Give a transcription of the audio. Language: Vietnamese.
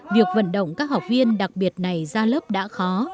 việc vận động các học viên đặc biệt này ra lớp đã khó